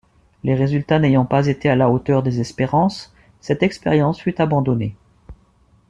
Les résultats n'ayant pas été à la hauteur des espérances, cette expérience fut abandonnée.